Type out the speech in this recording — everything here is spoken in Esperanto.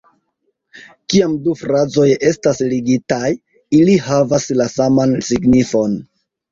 Kiam du frazoj estas ligitaj, ili havas la saman signifon.